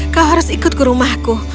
kau harus ikut ke rumahku